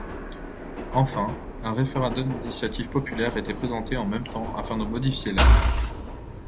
Enfin, un référendum d'initiative populaire était présenté en même temps afin de modifier l'art.